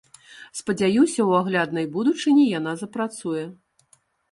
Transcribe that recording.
Спадзяюся, у агляднай будучыні яна запрацуе.